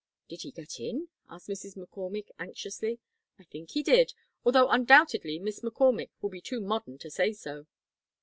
'" "Did he get in?" asked Mrs. McCormick, anxiously. "I think he did, although undoubtedly Miss McCormick will be too modern to say so."